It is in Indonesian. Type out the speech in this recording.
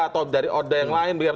atau dari orde yang lain